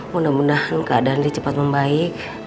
muda munda keadaan dia cepet membaik